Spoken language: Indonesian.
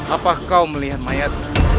apa kau melihat mayat